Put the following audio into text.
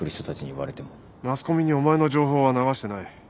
マスコミにお前の情報は流してない。